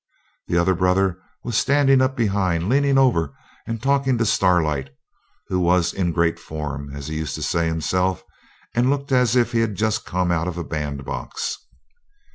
The other brother was standing up behind, leaning over and talking to Starlight, who was 'in great form', as he used to say himself, and looked as if he'd just come out of a bandbox.